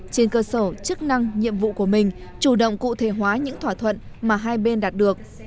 trên cơ sở chức năng nhiệm vụ của mình chủ động cụ thể hóa những thỏa thuận mà hai bên đạt được